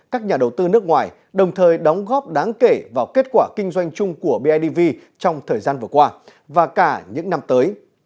các nhà đầu tư nước ngoài đồng thời đóng góp đáng kể vào kết quả kinh doanh chung của bidv trong thời gian vừa qua và cả những năm tới